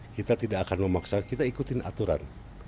kita tidak akan memaksa kita ikutin aturan